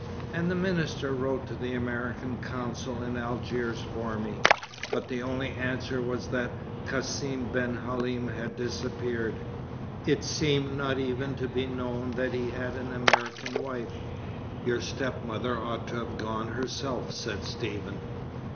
And the minister wrote to the American Consul in Algiers for me, but the only answer was that Cassim ben Halim had disappeared. It seemed not even to be known that he had an American wife." "Your stepmother ought to have gone herself," said Stephen.